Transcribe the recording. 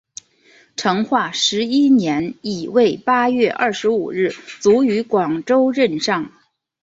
成化十一年乙未八月二十五日卒于广州任上。